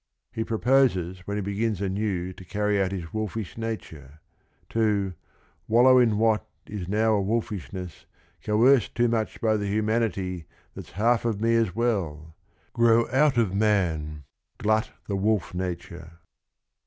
He proposes when he begins anew to carry out his wolfish nature, to "Wallow in what is now a wolfishness Coerced too much by the humanity That 's half of me as well 1 Grow out of man, Glut the wolf nature."